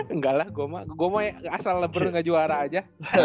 enggak lah gue mah asal ber gak juara aja